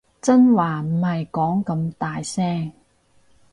真話唔好講咁大聲